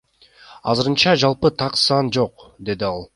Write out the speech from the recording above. Азырынча жалпы так сан жок, — деди ал.